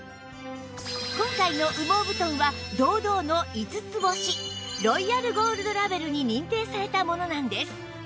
今回の羽毛布団は堂々の５つ星ロイヤルゴールドラベルに認定されたものなんです